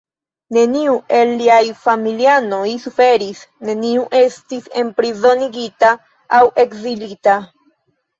Neniu el liaj familianoj suferis; neniu estis enprizonigita aŭ ekzilita.